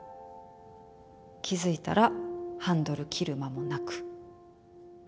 気付いたらハンドル切る間もなく。